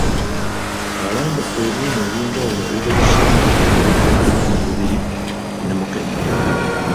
Alambudde ebyuma ebyenjawulo ebikozesebwa mu kukebera obulwadde bwa Nalubiri ne mukenenya.